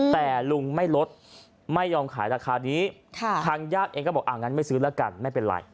แต่ลุงไม่ลดไม่ยอมขายราคานี้ทางญาติเองก็บอกอ่างั้นไม่ซื้อแล้วกันไม่เป็นไร